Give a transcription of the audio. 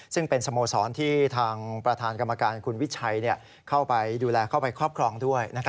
ซึ่งเป็นสโมสรที่ทางประธานกรรมการคุณวิชัยเข้าไปดูแลเข้าไปครอบครองด้วย